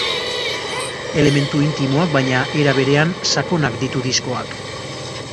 Elementu intimoak, baina, era berean, sakonak ditu diskoak.